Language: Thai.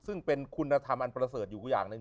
ซึ่งเป็นคุณธรรมอันประเสริฐอยู่อย่างหนึ่ง